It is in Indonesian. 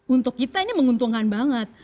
untuk kita ini menguntungkan banget